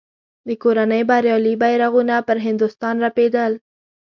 د کورنۍ بریالي بیرغونه پر هندوستان رپېدل.